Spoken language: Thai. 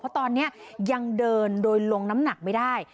เพราะตอนนี้ยังเดินโดยลงน้ำหนักไม่ได้